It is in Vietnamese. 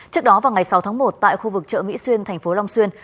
trước đó vào ngày sáu tháng một tại khu vực chợ mỹ xuyên thành phố long xuyên